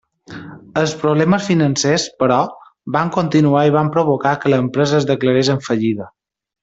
Els problemes financers, però, van continuar i van provocar que l'empresa es declarés en fallida.